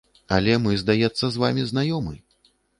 Але мы, здаецца, з вамі знаёмы?